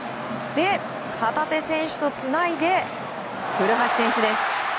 旗手選手とつないで古橋選手です。